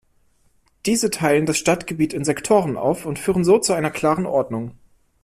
Diese teilen das Stadtgebiet in Sektoren auf und führen so zu einer klaren Ordnung.